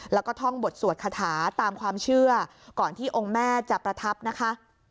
แล้วก็ท่องบทสวดคาถาตามความเชื่อก่อนที่องค์แม่จะประทับนะคะ